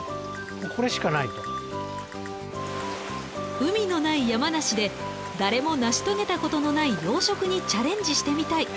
海のない山梨で誰も成し遂げたことのない養殖にチャレンジしてみたい。